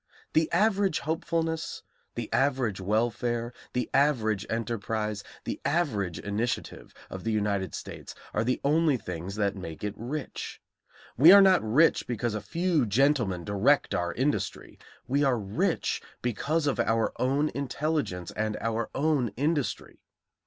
The average hopefulness, the average welfare, the average enterprise, the average initiative, of the United States are the only things that make it rich. We are not rich because a few gentlemen direct our industry; we are rich because of our own intelligence and our own industry.